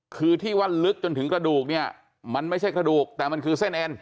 คือที่ว่าลึกจนถึงกระดูกเนี่ยมันไม่ใช่กระดูกแต่มันคือเส้นเอ็น